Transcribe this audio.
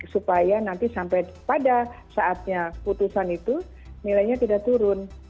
supaya nanti sampai pada saatnya putusan itu nilainya tidak turun